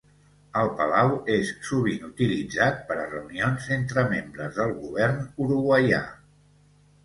El palau és sovint utilitzat per a reunions entre membres del govern uruguaià.